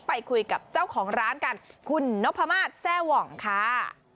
ไปคุยกับเจ้าของร้านกันคุณนพมาศแซ่หว่องค่ะ